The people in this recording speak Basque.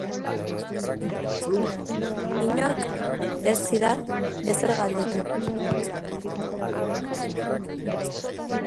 Inork ez zidan ezer galdetu.